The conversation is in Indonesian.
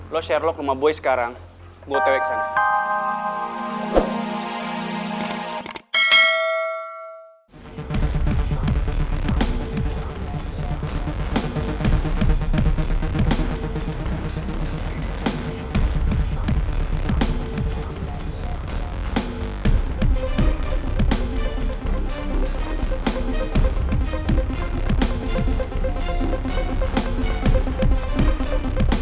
lo sherlock rumah boy sekarang gue tewek sana